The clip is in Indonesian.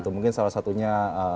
mungkin salah satunya